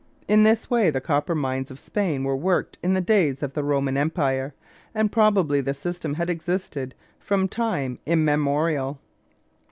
In this way the copper mines of Spain were worked in the days of the Roman Empire, and probably the system had existed from time immemorial.